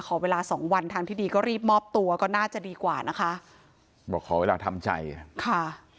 ขอเวลาสองวันทางที่ดีก็รีบมอบตัวก็น่าจะดีกว่านะคะบอกขอเวลาทำใจค่ะ